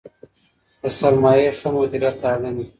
د سرمایې ښه مدیریت اړین دی.